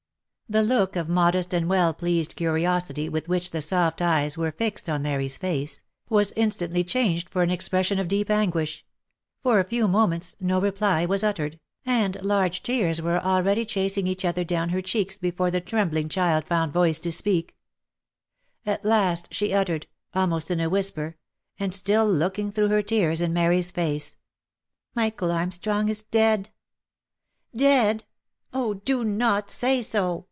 The look of modest and well pleased curiosity with which the soft eye* were fixed on Mary's face, was instantly changed for an expression of deep anguish — for a few moments no reply was uttered, and large tears were already chasing each other down her cheeks before the trem bling child found voice to speak ; at last she uttered, almost in a whis per, and still looking through her tears in Mary's face —" Michael Arm strong is dead !"" Dead! — Oh, do not say so